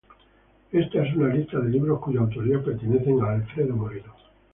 Esta es una lista de libros cuya autoría pertenece a Alfredo Moreno.